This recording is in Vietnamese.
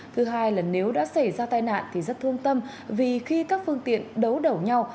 thứ hai là nếu đã xảy ra tai nạn thì rất thương tâm vì khi các phương tiện đấu đầu nhau